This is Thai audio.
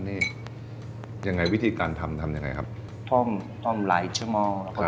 เนี้ยยังไงวิธีการทำทำยังไงครับทำหลายชั่วโมงแล้วก็